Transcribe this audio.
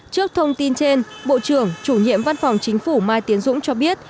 trước thông tin trên bộ trưởng chủ nhiệm văn phòng chính phủ mai tiến dũng cho biết